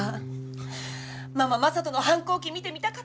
ママ正門の反抗期見てみたかったな。